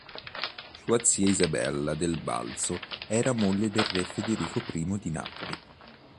Sua zia Isabella del Balzo era moglie del re Federico I di Napoli.